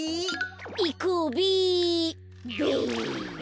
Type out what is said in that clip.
いこうべべ。